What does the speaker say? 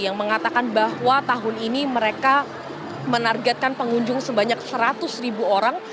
yang mengatakan bahwa tahun ini mereka menargetkan pengunjung sebanyak seratus ribu orang